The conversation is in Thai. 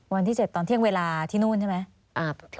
วันที่๗ตอนเที่ยงเวลาที่นู่นใช่ไหม